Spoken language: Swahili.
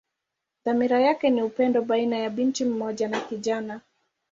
Dhamira yake ni upendo baina binti mmoja na kijana.